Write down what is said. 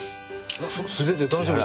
素手で大丈夫？